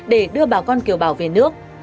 để đưa bà con kiều bảo về nước